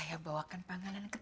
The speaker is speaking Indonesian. dia harus kawin sama keponakan ku